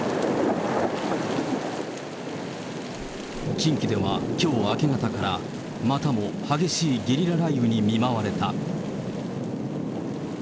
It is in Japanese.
近畿では、きょう明け方から、またも激しいゲリラ雷雨に見舞われた。